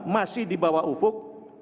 masih di bawah ufuk